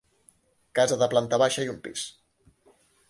Casa de planta baixa i un pis.